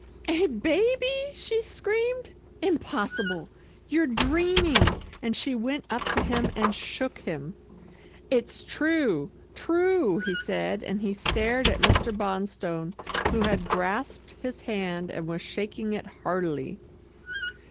"A baby," she screamed "impossible you're dreaming," and she went up to him, and shook him. "It's true, true," he said, and he stared at Mr. Bonstone who had grasped his hand and was shaking it heartily.